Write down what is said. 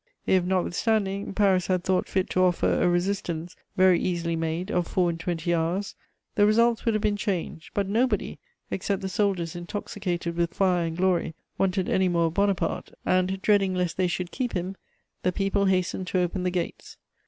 If, notwithstanding, Paris had thought fit to offer a resistance, very easily made, of four and twenty hours, the results would have been changed; but nobody, except the soldiers intoxicated with fire and glory, wanted any more of Bonaparte, and, dreading lest they should keep him, the people hastened to open the gates.